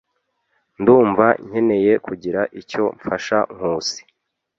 Ndumva nkeneye kugira icyo mfasha Nkusi.